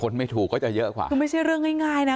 ไม่ถูกก็จะเยอะกว่าคือไม่ใช่เรื่องง่ายง่ายนะ